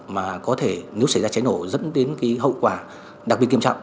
mà có thể nếu xảy ra cháy nổ dẫn đến cái hậu quả đặc biệt nghiêm trọng